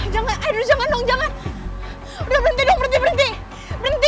jangan aduh jangan dong jangan udah berhenti dong berhenti berhenti berhenti